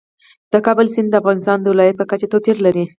د کابل سیند د افغانستان د ولایاتو په کچه توپیر لري.